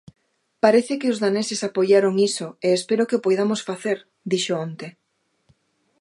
Parece que os daneses apoiaron iso e espero que o poidamos facer, dixo onte.